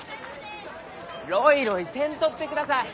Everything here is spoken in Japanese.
ろいろいせんとってください！